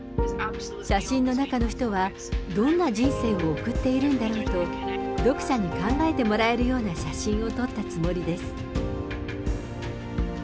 写真の中の人はどんな人生を送っているんだろう？と、読者に考えてもらえるような写真を撮ったつもりです。